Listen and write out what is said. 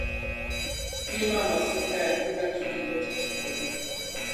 pima mafuta ya kula kijiko cha chakula